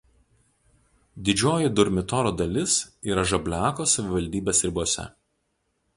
Didžioji Durmitoro dalis yra Žabliako savivaldybės ribose.